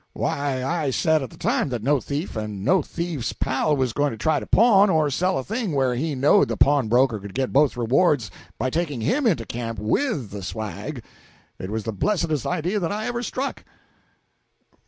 Why, I said at the time that no thief and no thief's pal was going to try to pawn or sell a thing where he knowed the pawnbroker could get both rewards by taking him into camp with the swag. It was the blessedest idea that ever I struck!"